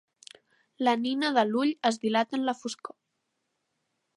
La nina de l'ull es dilata en la foscor.